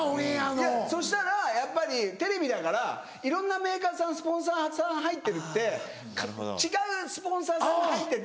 いやそしたらやっぱりテレビだからいろんなメーカーさんスポンサーさん入ってて違うスポンサーさんが入ってて。